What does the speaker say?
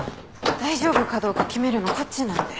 大丈夫かどうか決めるのこっちなんで。